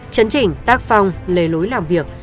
chấn chỉnh tác phong lề lối làm việc